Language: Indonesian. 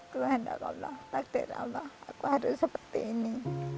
tuhan ya allah takdir allah aku harus seperti ini